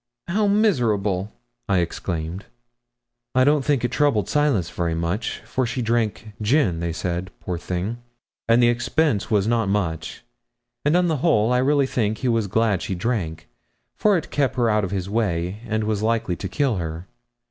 'How miserable!' I exclaimed. 'I don't think it troubled Silas very much, for she drank gin, they said, poor thing, and the expense was not much; and, on the whole, I really think he was glad she drank, for it kept her out of his way, and was likely to kill her.